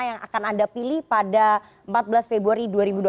yang akan anda pilih pada empat belas februari dua ribu dua puluh empat